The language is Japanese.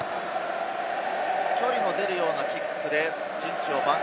距離の出るようなキックで陣地を挽回。